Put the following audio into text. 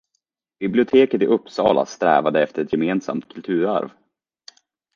Biblioteket i Uppsala strävade efter ett gemensamt kulturarv